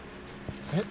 えっ？